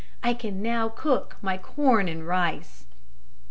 I can now cook my corn and rice."